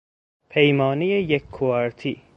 پیمانهی یک کوارتی